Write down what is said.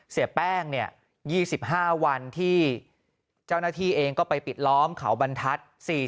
เสียแป้ง๒๕วันที่เจ้าหน้าที่เองก็ไปปิดล้อมเขาบรรทัศน์